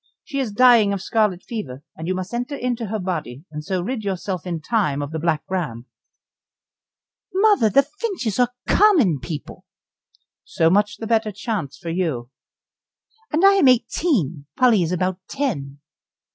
She is dying of scarlet fever, and you must enter into her body, and so rid yourself in time of the Black Ram." "Mother! the Finches are common people." "So much the better chance for you." "And I am eighteen, Polly is about ten."